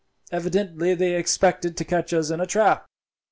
Evidently they expected to catch us in a trap."